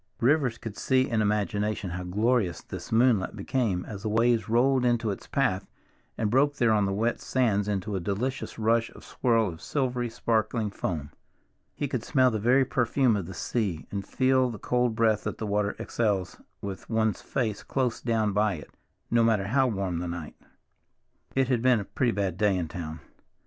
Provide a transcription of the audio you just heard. Rivers could see in imagination how glorious this moonlight became as the waves rolled into its path and broke there on the wet sands into a delicious rush and swirl of silvery sparkling foam. He could smell the very perfume of the sea, and feel the cold breath that the water exhales with one's face close down by it, no matter how warm the night. It had been a pretty bad day in town.